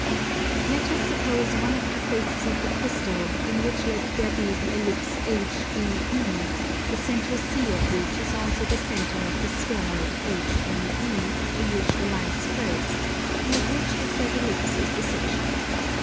Let us suppose one of the faces of the crystal, in which let there be the Ellipse HDE, the centre C of which is also the centre of the spheroid HME in which the light spreads, and of which the said Ellipse is the section.